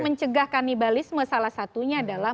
mencegah kanibalisme salah satunya adalah